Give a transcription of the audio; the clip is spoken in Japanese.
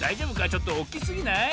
ちょっとおっきすぎない？